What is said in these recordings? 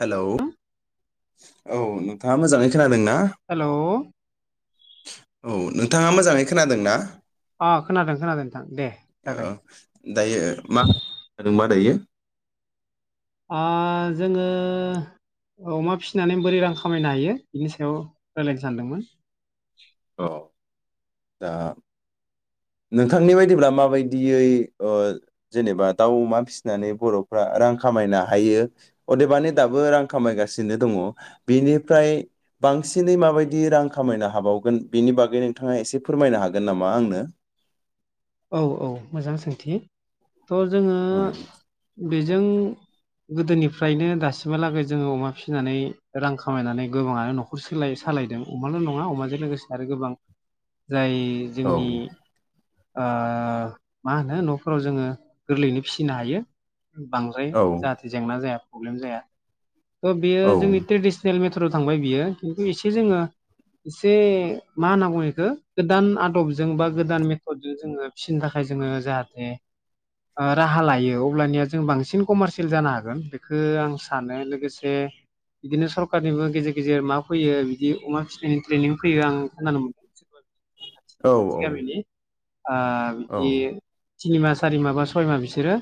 Hello. औ नोंथाङा मोजाङै खोनादोंना। हेलौ औ नोंथाङा मोजाङै खोनादों ना? अ खोनादों खोनादों नोंथां दे ओ जागाय दायो मा होदोंमोन? बेयो। ओ जोङो अमा फिनानै बोरै रां खामायनो हायो बिनि सायाव राय्लायनो सानदोंमोन। औ। दा नोंथांनि बायदिब्ला माबायदियै जेनेबा दाउ अमा फिसिनानै बर'फ्रा रां खामायनो हायो अदेबानि दाबो रां खामायगासिनो दङ बेनिफ्राय बांसिनै माबायदि रां खामायनो हाबावगोन बेनि बागै नोंथाङा एसे फोरमायनो हागोन नामा आंनो? औ औ मोजां सोंथि। थ' जोङो बेजों गोदोनिफ्रायनो दासिमहालागै जोङो अमा फिसिनानै रां खामायनानै गोबाङानो न'खर साय सालायदों अमाल' नङा अमाजों लोगोसे आरो गोबां जाय औ जोंनि मा होनो न'फोराव जोङो गोरलैयैनो फिसिनो हायो। बांद्राय औ जाहाथे जेंना जाया। प्रब्लेम जाया। तह बेयो औ जोंनि ट्रेडिसनेल मेथ थांबाय बियो खिन्थु एसे जोङो एसे मा होनना ब बेखौ गोदान आदबजों बा गोदान मेथदजों जोङो फिसिनो थाखाय जोङो जाहाथे राहा लायो अब्लानिया जों बांसिन कमारसियेल जानो हागोन बेखौ आं सानो। लोगोसे बिदिनो सरखारारनिबो गेजेर गेजेर मा फैयो बिदि अमा फिसिनायनि ट्रेनिं फैयो आं खोनानो मोनदों बिसोर। औ खाथिनि खाथि गामिनि। ओ औ बिदि तिनिमा सारिमा बा सयमा बिसोरो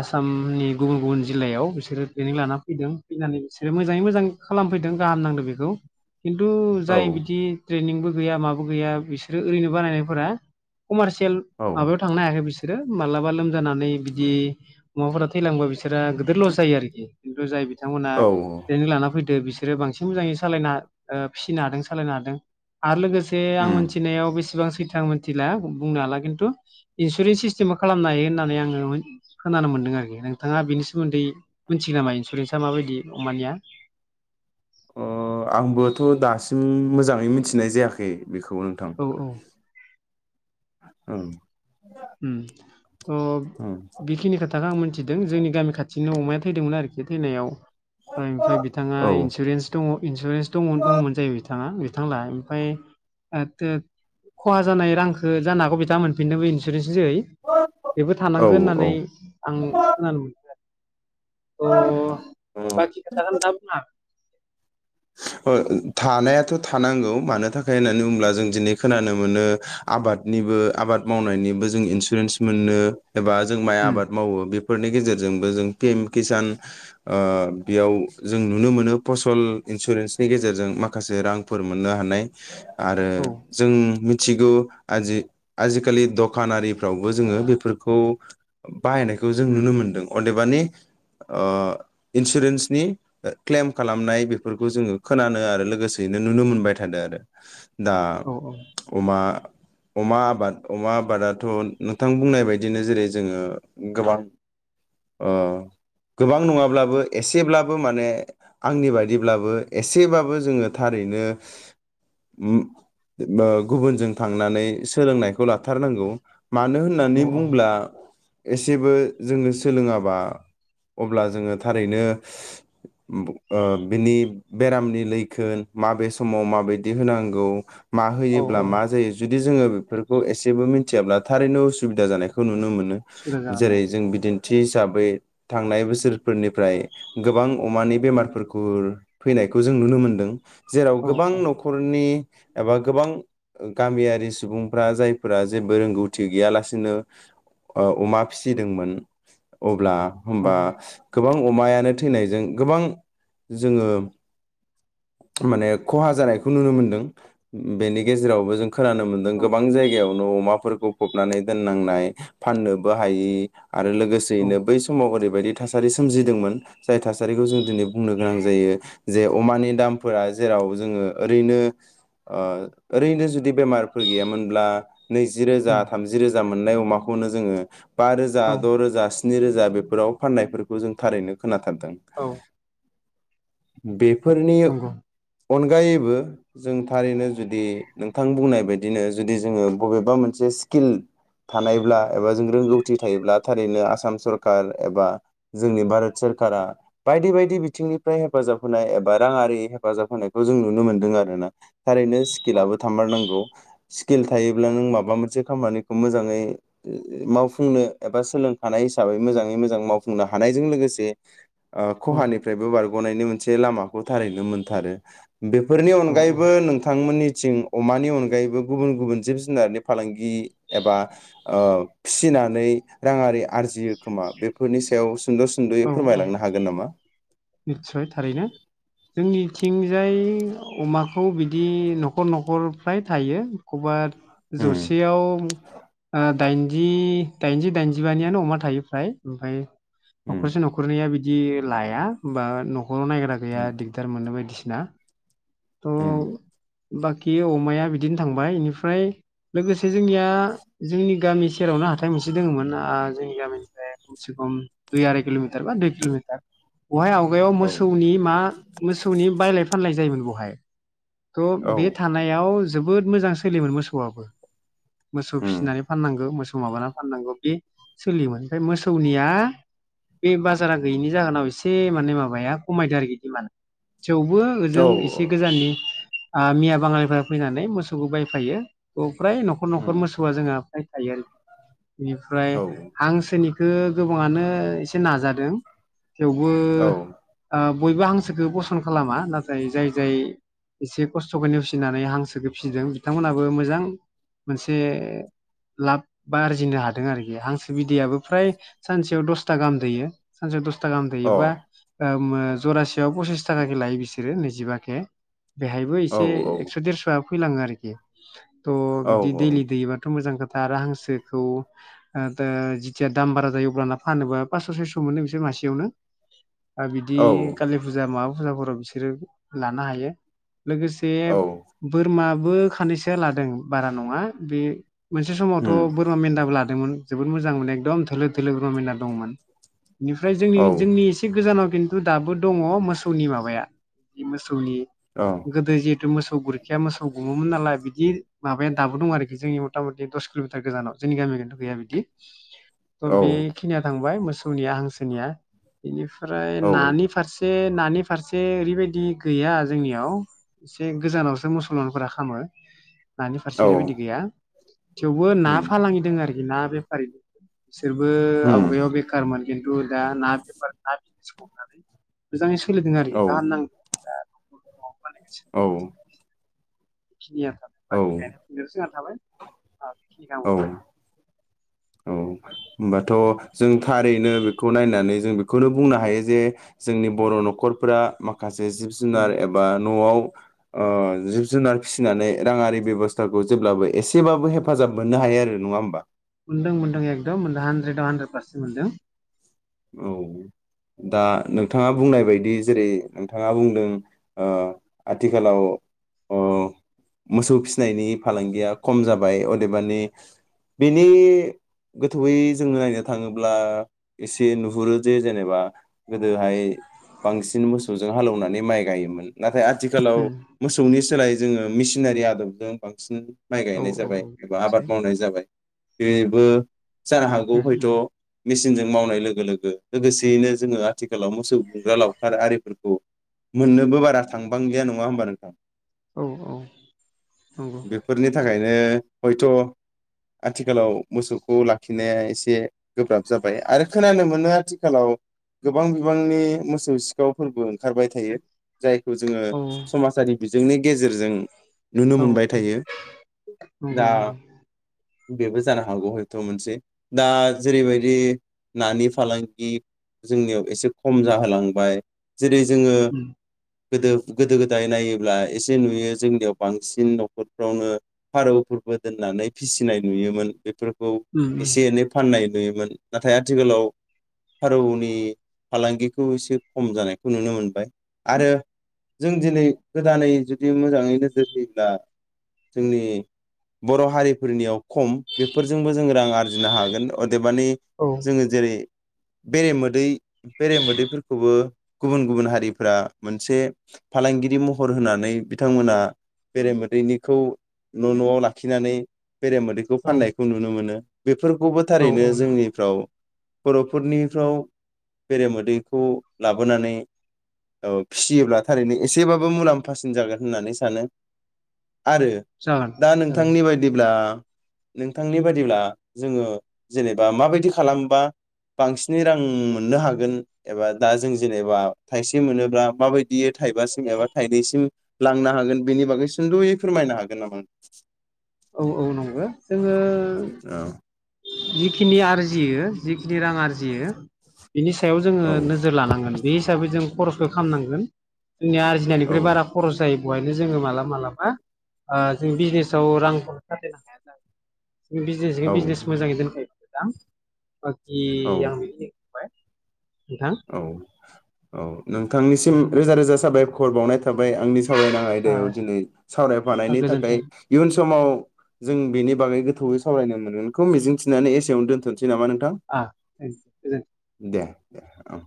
आसामनि गुबुन गुबुन जिल्लायाव बिसोरो ट्रेनिं लाना फैदों फैनानै बिसोरो मोजाङै मोजां खालामफैदों गाहाम नांदों बेखौ। खिन्थु औ जाय बिदि ट्रेनिंबो गैया माबो गैया बिसोरो ओरैनो बानायनायफोरा कमारसियेल औ माबायाव थांनो हायाखै बिसोर। बिसोरो मालाबा लोमजानानै बिदि मवाफोरा थैलांबा बिसोरा गिदिर लस जायो आरोखि। थ जाय बिथांमोनहा औ ट्रेनिं लानानै फैदो बिसोर। बिसोरो बांसिन मोजाङै सालायना फिसिनो हादों सालायनो हादों आरो लोगोसे आं उम मिथिनायाव बेसेबां बिथां मिथिला बुंनो हाला खिन्थु इन्सुरेन्स सिस्टेमा खालामनो हायो होननानै आङो खोनानो मोन्दों आरोखि नोंथाङा बेनि सोमोन्दै सि नामा इन्सुरेन्साआ माबायदि अमानिया? अ आंबोथ' दासिम मोजाङै मिथिनाय जायाखै। बेखौबो नोंथां। औ औ औ। थ' बेखिनि खोथाखौ आं मिथिदों जोंनि गामि खाथियाव बिदिनो अमाया थैदोंमोन आरोखि थैनायाव ओमफ्रायाय बिथाङा ओं इन्सुरेन्स दङ इन्सुरेन्स दं दङमोन जायो बिथां बिथां लाहानिफाय खहा जानाय रांखौ जानो हागौ बिथाङा मोनफिनदोंमोन बेबो औ थानांगोन औ होननानै आं खोनानो मोनदों आरो। अ' बाखि खोथाखौ नोंथाङा बुंनो हागोन। अ थानायाथ' थानांगौ मानो थाखाय होननानै बुंङोब्ला जों दिनै खोनानो मोनो आबादनिबो आबाद मावनायनिबो जों इन्सुरेन्स मोनो। एबा जों माइ हागोन आबाद मावो बे। बेफोरनि गेजेरजोंबो जों पि एम किसान बेयाव जों नुनो मोनो फसल। इन्सुरेन्सनि गेजेरजों माखासे रांफोर मोननो हानाय। आरो औ जों। मिथिगौ आजि आजिखालि दखानारिफ्रावबो जोङो बेफोरखौ। बाहायनायखौ जों नुनो मोनदों अदे। बानि इन्सुरेन्सनि ख्लेम खालामनाय बेफोरखौ जोङो खोनानो आरो लोगोसेयैनो नुनो मोनबाय थादों आरो। दा औ अमा। अमा आबाद अमा आबादाथ' नोंथां बुंनाय बायदिनो जेरै जोङो गोबां गोबां नङाब्लाबो एसेब्लाबो माने आंनि बा। दिब्लाबो एसेबाबो जोङो थारैनो गुबुनजों थांनानै सोलोंनायखौ लाथारनांगौ मानो औ होननानै बुंङोब्ला एसेबो जोंङो सोलोङाबा अब्ला जोङो थारैनो। बिनि बेरामनि लैखोन माबे समाव माबायदि होनांगौ। मा औ होयोब्ला औ मा जायो जु दि जोङो बेफोरखौ एसेबो मिथियाब्ला थारैनो उसुबिदा जानायखौ नुनो मोनो। सुबिदा जागोन औ जेरै जों बिदि। दिनथि हिसाबै थांनाय बोसोरफोरनिफ्राय गोबां अमानि बेमारफोर खौ फैनायखौ जों नुनो मोनदों जेराव औ गोबां औ न'खरनि एबा गोबां गामियारि सुबुंफ्रा जायफोरा जेबो रोंगौथि गैयालासिनो अमा फिसिदोंमोन अब्ला औ होनबा गोबां। अमायानो थैनायजों गोबां जोङो माने खहा जानायखौ नुनो मोनदों बेनि गेजेरावबो जों खोनानो मोन्दों औ गोबां जायगायावनो अमाफोरखौ फबनानै दोननांनाय फाननोबो हायि आरो लोगोसेयैनो बै समाव ओरै बायदि थासारि सोमजिदोंमोन जाय थासारिखौ जों दिनै बुंनो गोनां जायो जे अमानि दामफोरा जेराव जोङो ओरैनो ओ ओरैनो जुदि बेमारफोर गैयामोनब्ला नैजि रोजा थामजि रोज जा मोननाय अमाखौनो जोङो बा रोजा औ द' रोजा। स्नि रोजा बेफोराव फाननायफोरखौ जों थारैनो खोनाथारदों। औ बे फोरनि नंगौ अनगायैबो जों थारैनो जुदि नोंथां बुंनाय बायदिनो जुदि जोङो बबेबा मोनसे स्किल थानायब्ला एबा जों रोंगौथि थायोब्ला थारैनो आसाम सरखार एबा जोंनि भारत सरखारा बायदि बायदि, दि बिथिंनिफ्राय हेफाजाब होनाय एबा राङारि हेफाजाब होनायखौ जों नुनो मोनदों आरोना? थारैनो औ स्किलाबो थामबारनांगौ स्किल थायोब्ला औ नों माबा मोनसे खामानिखौ मोजाङै मावफुंनो एबा सोलोंखानाय हिसाबै मोजाङै मोजां मावफुंनो हानायजों लोगोसे ओ खहानि फ्रायबो बारग'नायनि मोनसे लामाखौ थारैनो मोनथारो बेफोरनि औ औ अनगायैबो नोंथांमोननि थिं अमानि अनगायैबो गुबुन गुबुन जिब जुनारनि फालांगि एबा फिसिनानै राङारि आरजियो खोमा बेफोरनि सायाव सुद' सुद'यै फोरमायलांनो हागोन नामा? निसय थारैनो जोंनि इथिंजाय अमाखौ बिदि न'खर न'खर फ्राय थायो एखौबा उम जौसेयाव ओ दाइनजि दाइनजि दाइनजिबानियानो अमा थायो फ्राय ओमफाय उम न'खसे न'खरनैया बिद दि लाया बा नख [unintelligible] नायग्रा गैया उम दिगदार मोन बायदि ना त' उम बाखि अमाया बिदिनो थांबाय इनिफ्राय लोगोसे जोंनिया जोंनि गामि सेरावनो हाथाय मोनसे दङोमोन जोंनि गामिनिफ्राय खमसे खम दुइ आराय कि'मिटार बा देर किल'मिटार। बहाय आवगायाव औ मोसौनि मा मोसौनि बायलाय फानलाय जायोमोन। बहाय थ' औ बे थानायाव जोबोद मोजां सोलियोमोन मोसौआबो। मोसौ उम फिसिनानै फाननांगौ मोसौ माबाना फाननांगौ बे सोलियोमोन ओमफाय मोसौनिया बे बाजारा गैयिनि जाहोनाव एसे माने माबाया खमायदो आरोखि डिमान्ड थेवबो औ ओजों एसे गोजाननि आ मिया बाङालिफोरा फैनानै मोसौखौ बायफायो। फ्राय न'खर न'खर उम मोसौआ जोंहा फ्रा थायो आरो बेनिफ्राय औ हांसोनि बेखो गोबाङानो एसे नाजादों। थेवबो औ अ औ ओ बयबो हांसोखौ बसन खालामा नाथाय जाय जाय एसे खस्थ'खौ नेवसिनानै हांसोखौ फिसिदों बिथांमोनाबो मोजां मोनसे लाब बा आरजिनो हादों आरोखि हांसो बिदैयाबो फ्राय सानसेयाव दस था गाहाम दैयो सानसेयाव दस था गाहाम दैयोबा ओ मो जरासेयाव फसिस थाखाकै लायो बिसोरो नैजिबा केे बेहायबो औ एसे एकस' देरस'आ फैलाङो आरोखि थ' औ बिदि दैलि दैबाथ' मोजां दा आरो हांसोखौ ओ दा जिथिया दाम बारा जायो अब्लाना फानोबा पास्स' सयस' मोनो बिसोर मासेयावनो। ओ बिदि औ कालि फुजा मा बा फुजाफोराव बिसोरो लानो हायो। लोगोसे बोरमा बेबो खानैसोआ लादों बारा नङा बे मोनसे समावथ' उम बोरमा मेन्दाबो ला दोंमोन जोबोद मोजां मोन एकदम थोलो थोलो दंमोन। बेनिफ्राय जोंनि औ जोंनि एसे गोजानाव खिन्थु दाबो दङ मोसौनि माबाया बे मोसौ नि गोदो जिहेतु मोसौ गुरखिया मोसौ गु मोन नालाय बिदि माबाया दाबो दं आरोखि जोंनि मथा मथि दस किल'मिटार गोजानाव जोंनि गामियाव किनथु गैया बिदि थ' बे औ थांबाय मोसौनिया हांसोनिया बिनि फ्राय औ नानि फारसे नानि फारसे ओरैबायदि गैया जोंनियाव एसे गोजानावसो मुसलमानफोरा खामो। नानि औ फारसे ओरैबायदि गैया थेवबो ना उम फालांगि दोंङो आरो ना बेफारि बिसोरबो होम आवगायाव बेखारमोन खिन्थु दा ना बेफार ना बिजनेस हमनानै मोजाङै सोलिदों आरो औ गाहामनां [inaudible] औ। बेखिनियानो थाबाय औ बाखि गायनो फैनोसो आं थाबाय [unintelligible] न औ [unintelligible] औ, होमबाथ' जों थारैनो बेखौ नायनानै जों बेखौनो बुंनो हायो जे जोंनि बर' न'खरफोरा मा खासे जिब जुनार एबा न'आव ओ जिब जुनार फिसिनानै राङारि बेब'स्थाखौ जेब्लाबो एसेबाबो हेफाजाब मोन्नो हायो आरो नङा होमबा? मोनदों मोनदों एकदम मोनदों हान ड्रेडाव हानड्रेड पारसेन्ट मोन्दों। औ, दा नोंथाङा बुंनाय बायदि जेरै नोंथाङा बुंदों ओ आथिखालाव ओह मोसौ फिनायनि फालांगिया खम जाबाय अदेबानि बेनि गोथौयै जोङो नायनो थाङोब्ला एसे नुहुरो जे जेनेबा गोदोहाइ बांसिन मोसौजों हालौनानै माइ गायोमोन नाथाय आ थिखालाव मोसौनि सोलाय जोङो मिसिनारि आदबजों बांसिन माइ औ गायनाय जाबाय औ बे एबा मोनसे आबाद मावनाय जाबाय। बेबो जानो हागौ हयथ' उम मिस मावनाय लोगो लोगो लोगोसेयैनो जोङो आथिखालाव मोसौ गुमग्रा लावखार आरिफोरखौ मोननोबो बारा थांबांलिया नङा होमबा नोंथां? उम औ नंगौ बेफोरनि थाखायनो हयथ' आथिखालाव मोसौखौ लाखिनाया एसे गोब्राब जाब बाय आरो खोनानो मोनो आथिखालाव गोबां बिबांनि मोसौ सिखावफोरबो ओंखारबाय थायो जायखौ जोङो औ समाजारि बिज जोंनि गेजेरजों नुनो औ मोनबाय थायो, दा नंगौ नंगौ बेबो जानो हागौ हयथ' मोनसे दा जेरैबायदि नानि फालांगि जोंनियाव एसे खम जाहालांबाय जेरै जोङो उम गोदो गोदो गोदाय नायोब्ला एसे नुयो जोंनियाव बांसिन न'खरफ्रावनो फारौफोरबो दोननानै फिसिनाय नुयोमोन बे फोरखौ उम उम एसे एनै फाननाय नुयोमोन। नाथाय आथिखालाव फारौनि फालांगिखौ एसे खम जानायखौ नुनो मोनबाय आरो जों दिनै गोदानै जुदि मोजाङै नोजोर होयोब्ला जोंनि बर' हारिफोरनियाव खम बेफोरजोंबो जोंङो रां आरजिनो हागोन अदेबानि औ जोंङो जेरै बेरेमोदै बेरेमोदैफोरखौबो गुबुन गुबुन हारिफोरा मोनसे फालांगिरि महर होनानै बिथांमोना बेरे मोदैनिखौ न' न'आव लाखिनानै बेरे मोदैखौ औ फाननायखौ नुनो मोनो बेफोरखौबो औ थारैनो औ जोंनि औ बर फोरनिफ्राव बेरेमोदैखौ लाबोनानै ओ फिसियोब्ला थारैनो एसेबाबो मुलाम्फासिन जागोन होननानै सानो आरो जागोन दा जागोन नोंथांनि बायदिब्ला नोंथांनि बायदिब्ला जोंङो जेबा माबायदि खालामबा बांसिनै रां मोननो हागोन एबा दा जों जेनेबा थाइसे मोनोबा माबायदि थाइबासिम एबा थाइनैसिम लांनो हागोन बेनि बागै सुंदुयै फोरमायनो हागोन नामा औ औ नंगौ जोंङो औ जिखिनि आरजियो जिखिनि रां आरजियो बिनि सायाव जोंङो औ नोजोर लानांगोन बे हिसाबै जों खरसखो खामनांगोन जोंनि औ आरजिनायनिख्रुइ बारा खरस जायो बेवायनो जोंङो मालाबा मालाबा ओ जों बिजनेसाव रां [inaudible] बिजनेसजों औ बिजनेस मोजांङै दोनथो [inaudible] ए औ आं बाय औ औ नोंथांनिसिम रोजा रोजा साबाय खर बावनाय थाबाय आंनि सावरायनाय आयदायाव ओ दिनै सावरायफनि थाखाय गोजोन्थों इयुन समाव जों बेनि बागै गोथौयै सावरायनो मोनगोनखौ मिजिंथिनानै एसेयावनो दोन्थसै सै नामा नोंथां आ थेंक इउ गोजोन्थों दे [inaudible] औ